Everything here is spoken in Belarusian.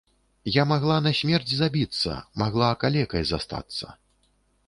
Я магла насмерць забіцца, магла калекай застацца.